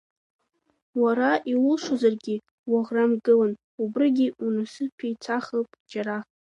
Уара иулшозаргьы уаӷрамгылан, убригьы унасыԥиахацуп џьара.